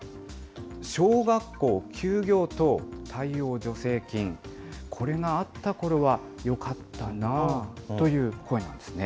小学校休業等対応助成金、これがあったころはよかったなぁという声なんですね。